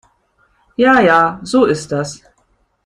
Ja ja, so ist das.